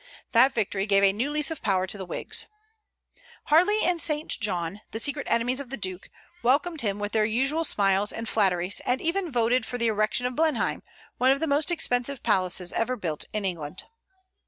That victory gave a new lease of power to the Whigs. Harley and St. John, the secret enemies of the Duke, welcomed him with their usual smiles and flatteries, and even voted for the erection of Blenheim, one of the most expensive palaces ever built in England.